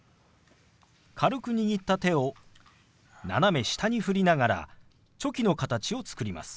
軽く握った手を斜め下に振りながらチョキの形を作ります。